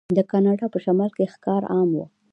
د کاناډا په شمال کې ښکار عام و.